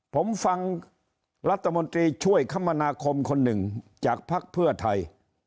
ผมฟังรัฐมนตรีช่วยคมนาคมคนหนึ่งจากภักดิ์เพื่อไทย